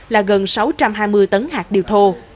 là gần sáu trăm hai mươi tấn hạt điều thô